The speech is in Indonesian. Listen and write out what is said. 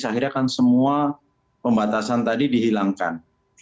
akhirnya kan semua pembatasan tadi dihilangkan